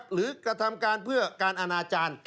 กระทำการเพื่อการอนาจารย์